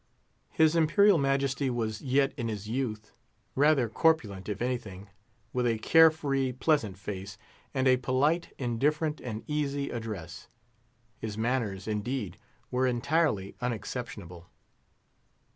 His Imperial Majesty was yet in his youth; rather corpulent, if anything, with a care free, pleasant face, and a polite, indifferent, and easy address. His manners, indeed, were entirely unexceptionable.